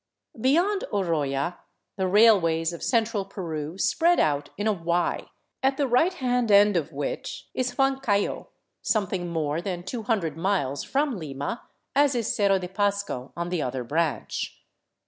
Beyond Oroya the railways of "central Peru spread out in a Y, at the right hand end of which is Huancayo, something more than two hundred miles from Lima, as is Cerro de Pasco on the other branch.